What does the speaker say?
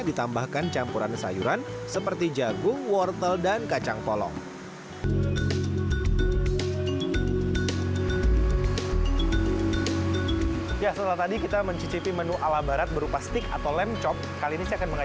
dan bahannya adalah dari paha belakang